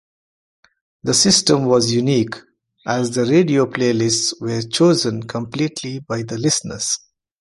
The system was unique, as the radio playlists were chosen completely by the listeners.